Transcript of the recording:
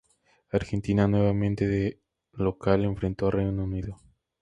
Argentina, nuevamente de local, enfrentó a Reino Unido.